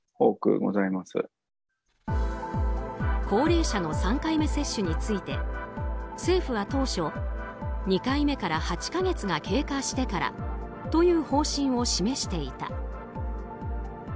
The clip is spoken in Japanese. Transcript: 高齢者の３回目接種について政府は当初２回目から８か月が経過してからという方針を示していた。